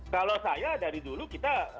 kalau saya dari dulu kita untuk seluruh rumah sakit